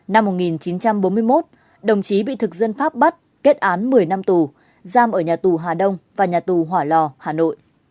năm một nghìn chín trăm bốn mươi một đồng chí bị thực dân pháp bắt kết án một mươi năm tù giam ở nhà tù hà đông và nhà tù hỏa lò hà nội